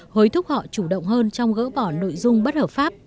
hối thúc họ chủ động hơn trong gỡ bỏ nội dung bất hợp pháp